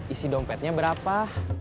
isi dompetnya berapa